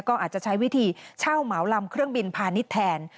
ก็อาจจะใช้วิธีเช่าเหมาลำเครื่องบินพาณิชย์แทน